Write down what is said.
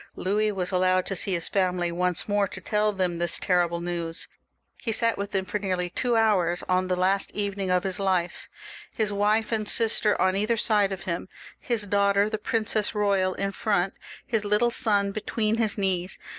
Louis was allowed to see his family once more, to tell them this terrible news. He sat with them for nearly two hours on the last evening of his life — ^his wife and sister on either side of him, his daughter, the Princess Eoyal in front, his little son between his knees.